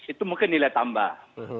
itu mungkin nilai tambah